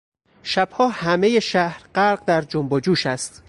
شبها همهی شهر غرق در جنب و جوش است.